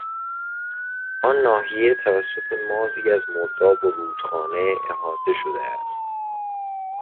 آن ناحیه توسط مازی از مرداب و رودخانه احاطه شده است.